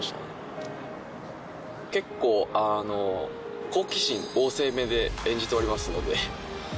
結構好奇心旺盛めで演じておりますので。